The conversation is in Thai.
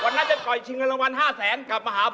วันนั้นจะต่อยชิงกำลังวันห้าแสงกลับมาหาพ่อ